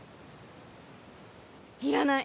いらない。